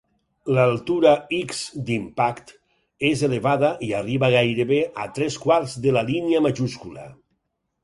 L'altura "x" d'Impact és elevada i arriba gairebé a tres quarts de la línia majúscula.